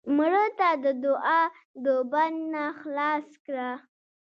مړه ته د دوعا د بند نه خلاص کړه